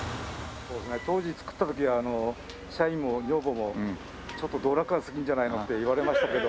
当時作った時は社員も女房もちょっと道楽がすぎるんじゃない？なんて言われましたけど。